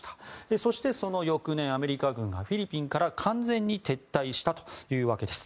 そしてその翌年、アメリカ軍がフィリピンから完全に撤退したというわけです。